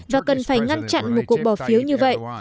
và cần phải ngăn chặn một cuộc bỏ phiếu như vậy